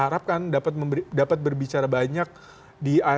juga elkan bagut mereka menunjukkan potensi yang cukup besar di timnya sekali ini